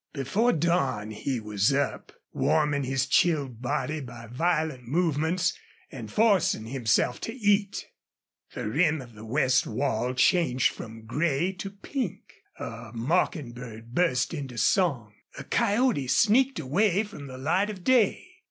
Before dawn he was up, warming his chilled body by violent movements, and forcing himself to eat. The rim of the west wall changed from gray to pink. A mocking bird burst into song. A coyote sneaked away from the light of day.